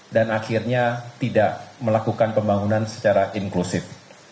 dan akhirnya tidak melakukan pembangunan secara inklusif